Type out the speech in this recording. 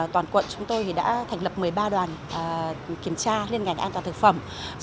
toàn quận chúng tôi đã thành lập một mươi ba đoàn kiểm tra liên ngành an toàn thực phẩm